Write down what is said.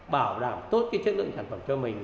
bảo đảm tốt cái chất lượng sản phẩm cho mình